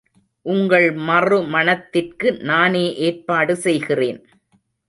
உங்கள் மறுமணத்திற்கு நானே ஏற்பாடு செய்கிறேன்.